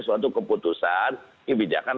suatu keputusan kebijakan